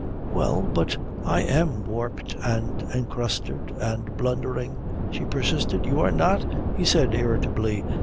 "Well, but I am warped and encrusted and blundering," she persisted. "You are not!" he said irritably.